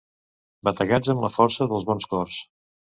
Bategats amb la força dels bons cors.